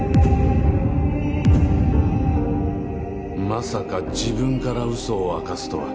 まさか自分から嘘を明かすとは。